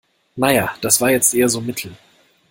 Na ja, das war jetzt eher so mittel.